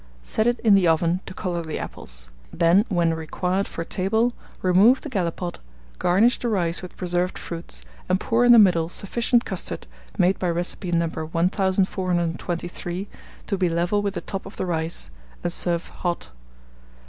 Set it in the oven to colour the apples; then, when required for table, remove the gallipot, garnish the rice with preserved fruits, and pour in the middle sufficient custard, made by recipe No. 1423, to be level with the top of the rice, and serve hot.